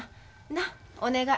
なっお願い。